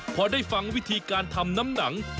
พอได้ฟังวิธีการทำนางควาย